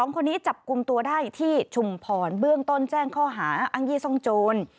๒คนนี้จับกลุ่มตัวได้ที่ชุมพรเบื้องต้นแจ้งข้อหาอ้างยี่ซ่องโจร